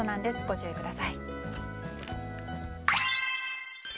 ご注意ください。